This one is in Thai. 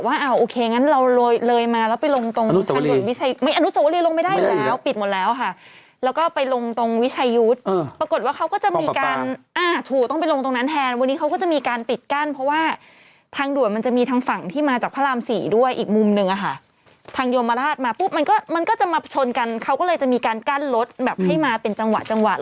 พี่หนุ่มพี่หนุ่มพี่หนุ่มพี่หนุ่มพี่หนุ่มพี่หนุ่มพี่หนุ่มพี่หนุ่มพี่หนุ่มพี่หนุ่มพี่หนุ่มพี่หนุ่มพี่หนุ่มพี่หนุ่มพี่หนุ่มพี่หนุ่มพี่หนุ่มพี่หนุ่มพี่หนุ่มพี่หนุ่มพี่หนุ่มพี่หนุ่มพี่หนุ่มพี่หนุ่มพี่หนุ่มพี่หนุ่มพี่หนุ่มพี่หนุ่มพี่หนุ่มพี่หนุ่มพี่หนุ่มพี่หนุ